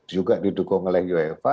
juga didukung oleh uefa